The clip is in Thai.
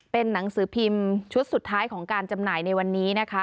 เป็นหนังสือพิมพ์ชุดสุดท้ายของการจำหน่ายในวันนี้นะคะ